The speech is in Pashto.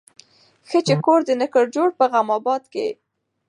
ښه چي کور دي نه کړ جوړ په غم آباد کي